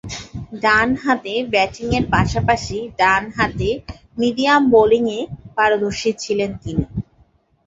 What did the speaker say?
ডানহাতে ব্যাটিংয়ের পাশাপাশি ডানহাতে মিডিয়াম বোলিংয়ে পারদর্শী ছিলেন তিনি।